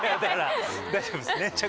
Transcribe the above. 大丈夫です。